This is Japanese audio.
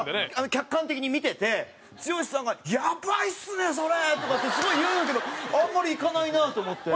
客観的に見てて剛さんが「やばいっすねそれ！」とかってすごい言うんだけどあんまりいかないなと思って。